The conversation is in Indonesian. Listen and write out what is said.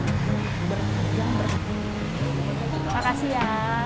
terima kasih ya